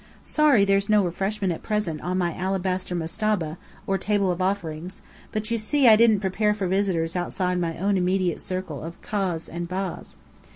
Sorry there's no refreshment at present on my alabaster mastaba, or table of offerings, but you see I didn't prepare for visitors outside my own immediate circle of Ka's and Ba's.